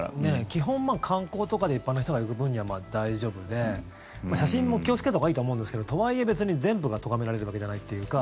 基本、観光とかで一般の人が行く分には大丈夫で写真も気をつけたほうがいいとは思うんですけどとはいえ、別に全部がとがめられるわけじゃないっていうか。